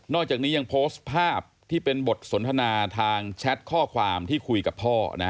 อกจากนี้ยังโพสต์ภาพที่เป็นบทสนทนาทางแชทข้อความที่คุยกับพ่อ